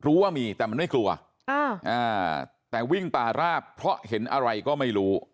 ว่ามีแต่มันไม่กลัวแต่วิ่งป่าราบเพราะเห็นอะไรก็ไม่รู้